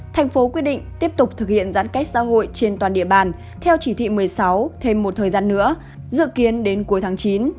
thành phố quyết định tiếp tục thực hiện giãn cách xã hội trên toàn địa bàn theo chỉ thị một mươi sáu thêm một thời gian nữa dự kiến đến cuối tháng chín